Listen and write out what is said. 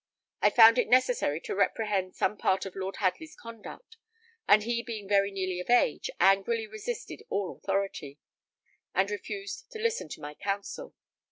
I found it necessary to reprehend some part of Lord Hadley's conduct, and he being very nearly of age, angrily resisted all authority, and refused to listen to my counsel.